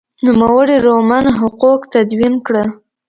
نوموړي رومن حقوق تدوین کړل.